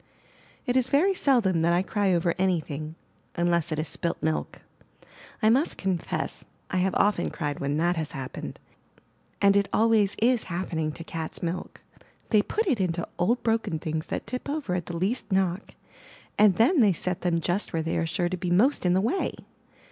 It is very seldom that I cry over any thing, unless it is ''spilt milk.*' I must confess, I have often cried when that has happened; and it always is happening to cats* milk. They put it into old broken things that tip over at the least knock, and then they set them just where they are sure to be most in the way.